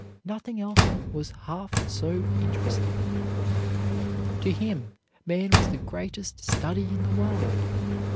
Nothing else was half so interesting. To him man was the greatest study in the world.